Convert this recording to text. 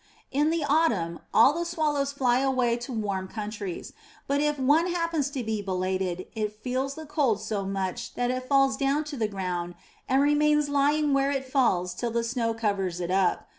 In the autumn all the swallows fly away to warm countries, but if one happens to be belated, it feels the cold so much that it falls down to the ground and remains lying where it falls till the snow covers it up.